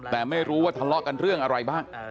แต่ไม่รู้ว่าทะเลาะกันเรื่องอะไรบ้าง